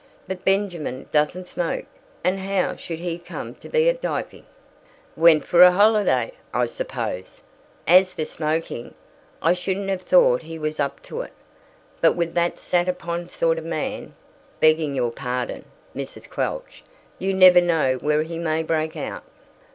"But Benjamin doesn't smoke; and how should he come to be at Dieppe?" "Went for a holiday, I suppose. As for smoking, I shouldn't have thought he was up to it; but with that sat upon sort of man begging your pardon, Mrs. Quelch you never know where he may break out.